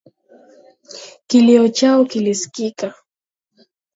Kilio chao kilisikika.